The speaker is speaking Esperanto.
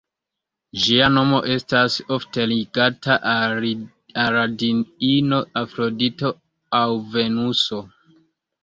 Ĝia nomo estas ofte ligata al la diino Afrodito aŭ Venuso.